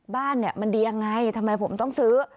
บ้านเนี่ยมันดียังไงทำไมผมต้องซื้อ